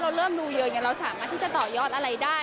เราเริ่มดูเยอะอย่างนี้เราสามารถที่จะต่อยอดอะไรได้